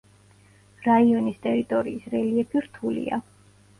რაიონის ტერიტორიის რელიეფი რთულია.